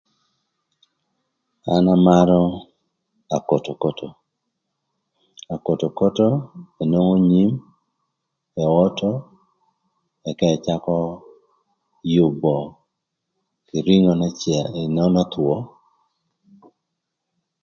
An amarö akotokoto, akotokoto inwongo nyim eoto ëka ëcakö yübö kï rïngö n'öthwö.